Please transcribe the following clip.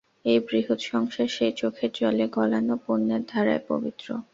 এই বৃহৎ সংসার সেই চোখের জলে গলানো পুণ্যের ধারায় পবিত্র।